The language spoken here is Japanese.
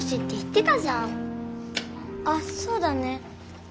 あっそうだね。